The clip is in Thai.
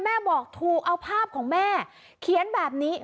แม่บอกถูกเอาภาพของแม่เขียนแบบนี้